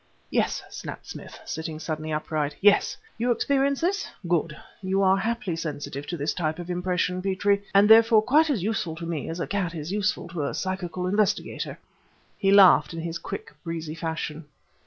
"Yes," snapped Smith, sitting suddenly upright "yes! You experience this? Good! You are happily sensitive to this type of impression, Petrie, and therefore quite as useful to me as a cat is useful to a physical investigator." He laughed in his quick, breezy fashion.